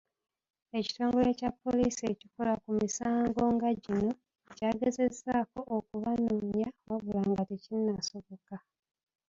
Ekitongole kya Poliisi ekikola ku misango nga gino kyagezezzaako okubanoonya wabula nga tekinnasoboka.